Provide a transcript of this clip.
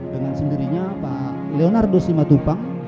dengan sendirinya pak leonardo simatupang